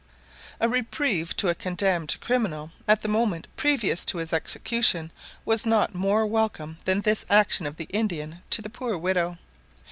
] A reprieve to a condemned criminal at the moment previous to his execution was not more welcome than this action of the Indian to the poor widow.